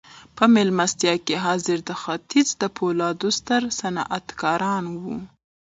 په مېلمستیا کې حاضر د ختیځ د پولادو ستر صنعتکاران وو